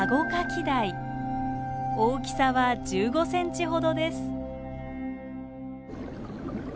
大きさは１５ｃｍほどです。